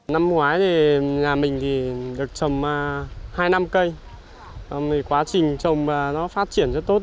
năm ngoái thì nhà mình thì được trồng hai năm cây quá trình trồng nó phát triển rất tốt